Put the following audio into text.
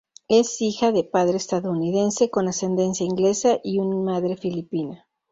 Es hija de padre estadounidense con ascendencia inglesa y un madre filipina.